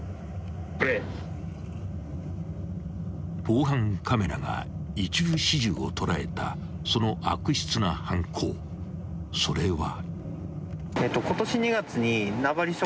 ［防犯カメラが一部始終を捉えたその悪質な犯行それは］